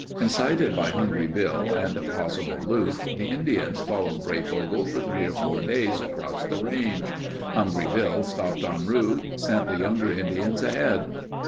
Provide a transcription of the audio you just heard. Incited by Hungry Bill and possible loot, the Indians followed Breyfogle for three or four days across the range. Hungry Bill stopped en route, sent the younger Indians ahead.